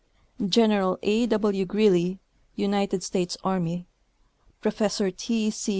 General A. W. Greely, United States Army, Professor T. C.